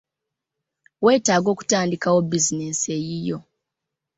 Weetaaga okutandikawo bizinensi eyiyo.